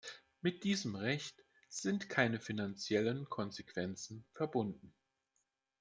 Mit diesem Recht sind keine finanziellen Konsequenzen verbunden.